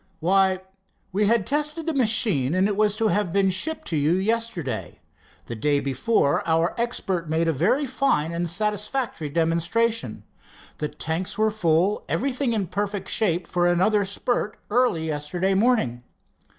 "Why, we had tested the machine and it was to have been shipped to you yesterday. The day before, our expert made a very fine and satisfactory demonstration. The tanks were full, everything in perfect shape for another spurt early yesterday morning.